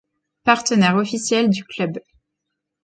Partenaires officiels du club.